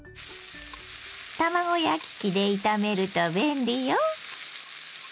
卵焼き器で炒めると便利よ。